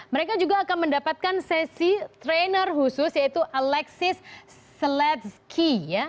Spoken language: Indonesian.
mereka juga akan mendapatkan sesi trainer khusus yaitu alexis sletzky ya